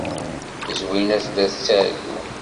Zwina tella tettargu.